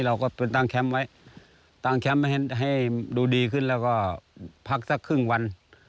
เราก็ไปตั้งแคมป์ไว้ตั้งแคมป์ให้ดูดีขึ้นแล้วก็พักสักครึ่งวัน